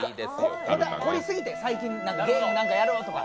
懲りすぎて、最近ゲーム何かやろうとか。